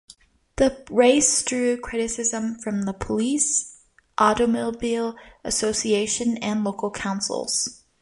The race drew criticism from the Police, Automobile Association, and local Councils.